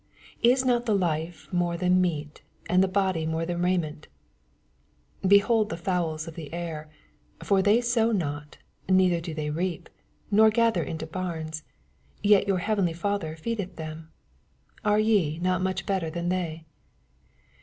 Is not the life more than meat, and the body than raiment f 26 Behold the fowls of the air: for they BOW not, neither do they reap, nor gather into bams ; yet yoar heav enly Father feedeth them. Are ye not much better than they